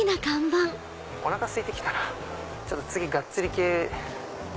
おなかすいて来たなぁ次がっつり系。